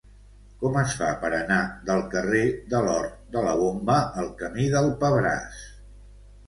Com es fa per anar del carrer de l'Hort de la Bomba al camí del Pebràs?